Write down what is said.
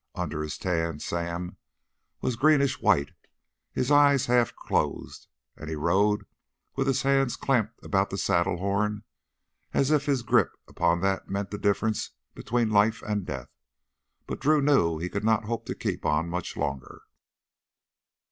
Under his tan Sam was greenish white, his eyes half closed, and he rode with his hands clamped about the saddle horn as if his grip upon that meant the difference between life and death. But Drew knew he could not hope to keep on much longer.